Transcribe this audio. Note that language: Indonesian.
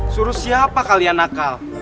suruh siapa kalian nakal